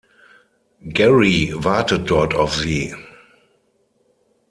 Gary wartet dort auf sie.